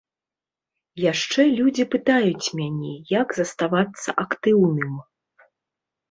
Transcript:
Яшчэ людзі пытаюць мяне, як заставацца актыўным.